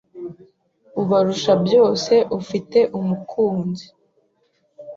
Ubarusha byose ufite umukunzi!